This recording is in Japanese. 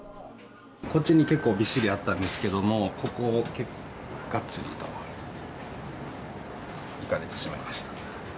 こっちに結構びっしりあったんですけれども、ここをがっつりといかれてしまいました。